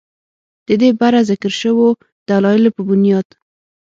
ددې بره ذکر شوو دلايلو پۀ بنياد